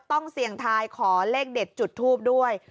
ต้องเสี่ยงทายขอเลขเด็ดจุดทูบด้วย